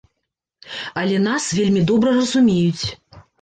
Але нас вельмі добра разумеюць.